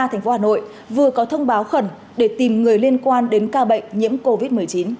thành phố hà nội vừa có thông báo khẩn để tìm người liên quan đến ca bệnh nhiễm covid một mươi chín